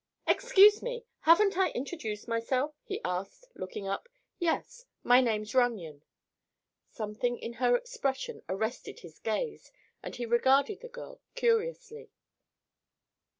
"Excuse me; haven't I introduced myself?" he asked, looking up. "Yes; my name's Runyon." Something in her expression arrested his gaze and he regarded the girl curiously.